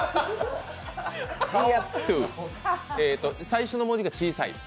最初の文字が小さい？